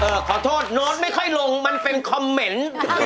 ขอโทษโน้ตไม่ค่อยลงมันเป็นคอมเมนต์